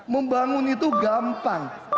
membangun itu gampang